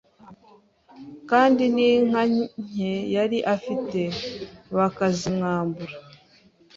kandi n’inka nke yari afite bakazimwambura